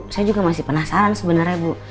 saya juga masih penasaran sebenarnya bu